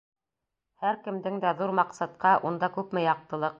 Һәр кемдең дә ҙур маҡсатҡа Унда күпме яҡтылыҡ!